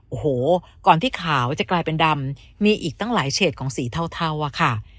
โอ้โหก่อนที่ขาวจะกลายเป็นดำมีอีกตั้งหลายเฉดของสีเทาอะค่ะ